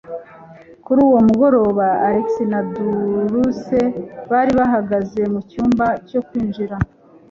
Kuri uwo mugoroba, Alex na Dulce bari bahagaze mu cyumba cyo kwinjira.